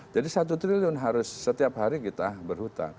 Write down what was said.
jadi satu triliun harus setiap hari kita berhutang